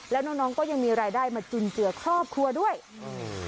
แล้วน้องน้องก็ยังมีรายได้มาจุนเจือครอบครัวด้วยอืม